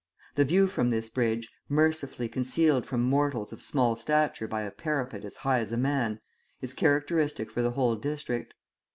The view from this bridge, mercifully concealed from mortals of small stature by a parapet as high as a man, is characteristic for the whole district.